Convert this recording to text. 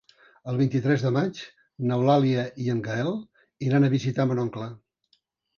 El vint-i-tres de maig n'Eulàlia i en Gaël iran a visitar mon oncle.